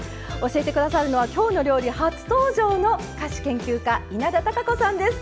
教えて下さるのは「きょうの料理」初登場の菓子研究家稲田多佳子さんです。